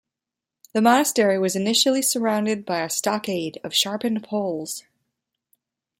The monastery was initially surrounded by a stockade of sharpened poles.